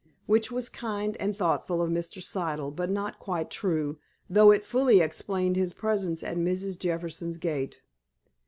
Which was kind and thoughtful of Mr. Siddle, but not quite true, though it fully explained his presence at Mrs. Jefferson's gate.